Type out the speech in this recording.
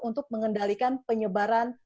untuk mengendalikan penyebaran